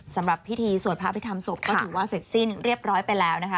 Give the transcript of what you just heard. สำหรับพิธีสวดพระพิธรรมศพก็ถือว่าเสร็จสิ้นเรียบร้อยไปแล้วนะคะ